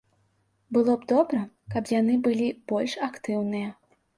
Было б добра, каб яны былі больш актыўныя.